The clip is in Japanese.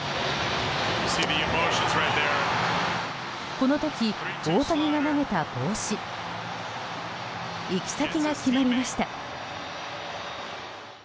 この時、大谷が投げた帽子行き先が決まりました。